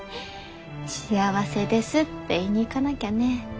幸せですって言いに行かなきゃね。